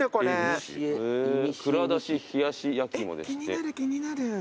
気になる気になる。